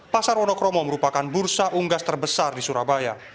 pasar wonokromo merupakan bursa unggas terbesar di surabaya